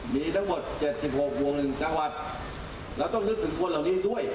มีทั้งหมดเจ็ดสิบหกวงหนึ่งจังหวัดเราต้องรู้สึกคนเหล่านี้ด้วย